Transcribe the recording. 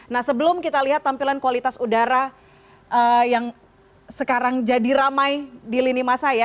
nah sebelum kita lihat tampilan kualitas udara yang sekarang jadi ramai di lini masa ya